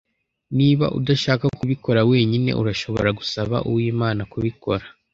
Niba udashaka kubikora wenyine, urashobora gusaba Uwimana kubikora.